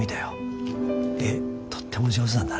絵とっても上手なんだね。